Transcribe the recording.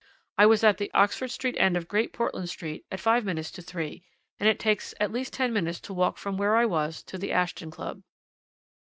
I was at the Oxford Street end of Great Portland Street at five minutes to three, and it takes at least ten minutes to walk from where I was to the Ashton Club.'